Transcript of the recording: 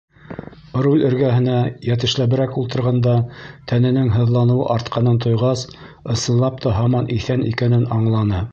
Руль эргәһенә йәтешләберәк ултырғанда тәненең һыҙланыуы артҡанын тойғас, ысынлап та һаман иҫән икәнен аңланы.